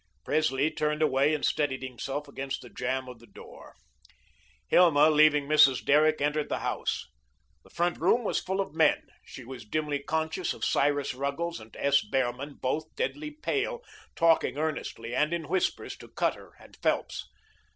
Presley turned away and steadied himself against the jamb of the door. Hilma, leaving Mrs. Derrick, entered the house. The front room was full of men. She was dimly conscious of Cyrus Ruggles and S. Behrman, both deadly pale, talking earnestly and in whispers to Cutter and Phelps.